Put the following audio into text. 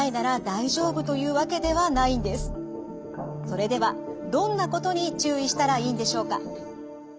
それではどんなことに注意したらいいんでしょうか？